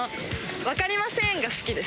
わかりませーん！が好きです。